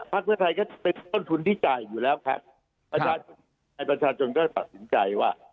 ภาคเวียทายก็เป็นต้นทุนที่จ่ายอยู่แล้วค่ะครับให้ประจาชนก็ตัดสินใจว่า